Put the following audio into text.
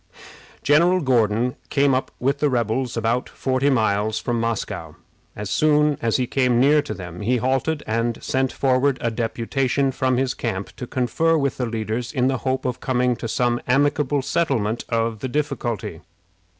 General Gordon came up with the rebels about forty miles from Moscow. As soon as he came near to them he halted, and sent forward a deputation from his camp to confer with the leaders, in the hope of coming to some amicable settlement of the difficulty.